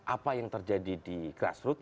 apa yang terjadi di grassroots